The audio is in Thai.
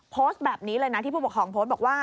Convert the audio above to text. โพสต์แบบนี้เลยนะที่ผู้ปกครองโพสต์บอกว่า